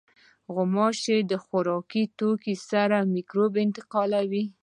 غوماشې د خوراکي توکو سره مکروب انتقالوي.